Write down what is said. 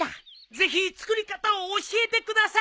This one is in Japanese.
ぜひ作り方を教えてください。